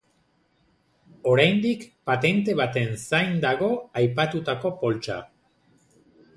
Oraindik patente baten zain dago aipatutako poltsa.